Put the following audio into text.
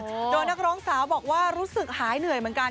โดยนักร้องสาวบอกว่ารู้สึกหายเหนื่อยเหมือนกัน